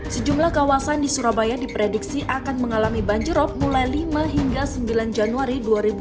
sejumlah kawasan di surabaya diprediksi akan mengalami banjirop mulai lima hingga sembilan januari dua ribu dua puluh